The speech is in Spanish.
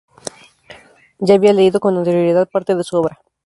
Ya había leído con anterioridad parte de su obra.